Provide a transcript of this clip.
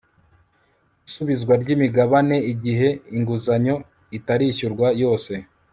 isubizwa ry'imigabane igihe inguzanyo itarishyurwa yose